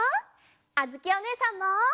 あづきおねえさんも。